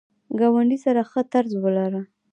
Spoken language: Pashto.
ګاونډي سره ښه طرز ولره